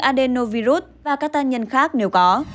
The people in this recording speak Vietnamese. adenovirus và các tác nhân khác nếu có